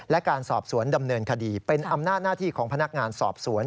และการสอบสวนดำเนินคดีเป็นอำนาจหน้าที่ของพนักงานสอบสวน